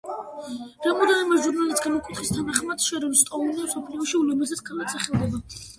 რამდენიმე ჟურნალის გამოკითხვის თანხმად, შერონ სტოუნი მსოფლიოში ულამაზეს ქალად სახელდება.